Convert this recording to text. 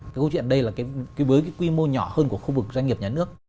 cái câu chuyện đây là với cái quy mô nhỏ hơn của khu vực doanh nghiệp nhà nước